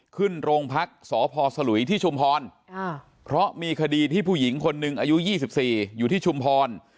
ขึ้นโรงพักสพสลุยที่ชุมพรเพราะมีคดีที่ผู้หญิงคนหนึ่งอายุ๒๔อยู่ที่ชุมพร